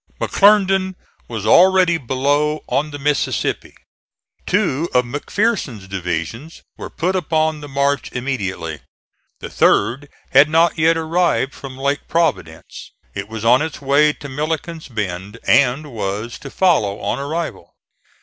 McClernand was already below on the Mississippi. Two of McPherson's divisions were put upon the march immediately. The third had not yet arrived from Lake Providence; it was on its way to Milliken's Bend and was to follow on arrival.